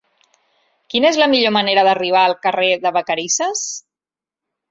Quina és la millor manera d'arribar al carrer de Vacarisses?